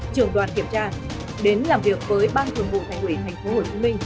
trường đoàn kiểm tra đến làm việc với ban thường vụ thành ủy tp hcm